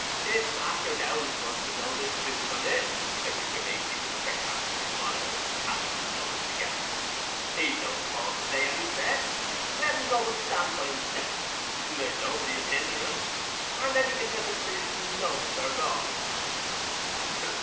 "If Master Dowlas wants to know the truth on it," said Mr. Macey, with a sarcastic smile, tapping his thumbs together, "he's no call to lay any bet—let him go and stan' by himself—there's nobody 'ull hinder him; and then he can let the parish'ners know if they're wrong."